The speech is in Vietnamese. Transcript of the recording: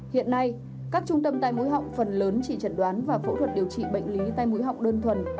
hiện nay các trung tâm tay mũi họng phần lớn chỉ chẩn đoán và phẫu thuật điều trị bệnh lý tai mũi họng đơn thuần